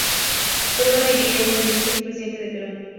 Prima de Guillermo Billinghurst, presidente del Perú.